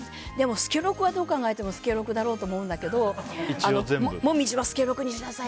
助六はどう考えても助六だと思うんだけども紅葉は助六にしなさい。